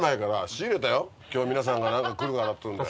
今日は皆さんが来るからっていうんで。